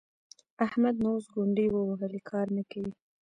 احمد نو اوس ګونډې ووهلې؛ کار نه کوي.